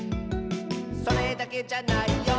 「それだけじゃないよ」